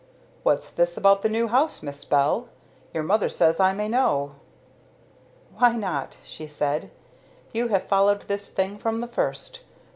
"What's this about the new house, Miss Bell? Your mother says I may know." "Why not?" she said. "You have followed this thing from the first.